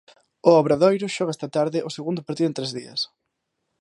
O Obradoiro xoga esta tarde o segundo partido en tres días.